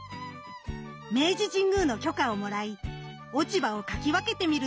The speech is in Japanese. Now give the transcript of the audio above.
明治神宮の許可をもらい落ち葉をかき分けて見ると。